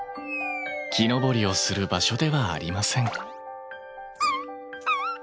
木登りをする場所ではありませんキュウ。